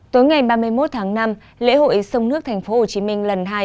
tối ngày ba mươi một tháng năm lễ hội sông nước tp hcm lần hai